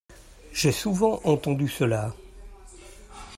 J'ai souvent entendu cela.